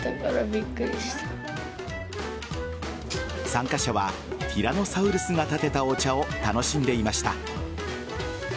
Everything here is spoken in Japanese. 参加者はティラノサウルスがたてたお茶を楽しんでいました。